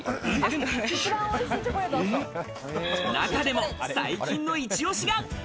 中でも最近のイチ押しが。